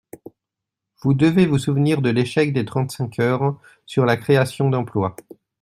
Vous devez vous souvenir de l’échec des trente-cinq heures sur la création d’emplois.